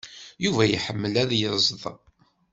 Yuba iḥemmel ad yeẓd.